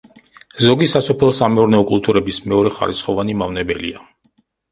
ზოგი სასოფლო-სამეურნეო კულტურების მეორეხარისხოვანი მავნებელია.